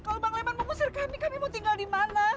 kalau bang leman mengusir kami kami mau tinggal dimana